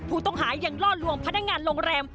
ผู้ต้องหายังล่อลวงพนักงานโรงแรม